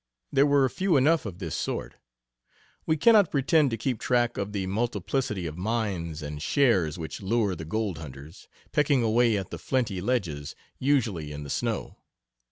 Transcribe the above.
There were few enough of this sort. We cannot pretend to keep track of the multiplicity of mines and shares which lure the gold hunters, pecking away at the flinty ledges, usually in the snow.